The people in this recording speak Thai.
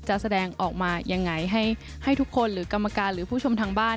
จะแสดงออกมายังไงให้ทุกคนหรือกรรมการหรือผู้ชมทางบ้าน